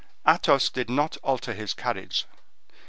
Athos did not alter his carriage.